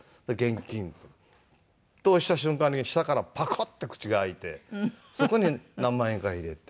押した瞬間に下からパカッて口が開いてそこに何万円か入れて。